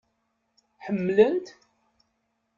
Ḥemmlen-t?